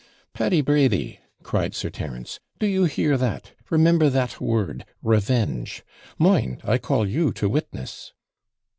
'Paddy Brady!' cried Sir Terence, 'do you hear that? Remember that word, REVENGE! Mind, I call you to witness!'